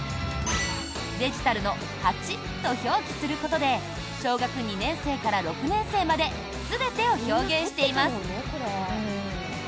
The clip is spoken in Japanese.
デジタルの８と表記することで小学２年生から６年生まで全てを表現しています。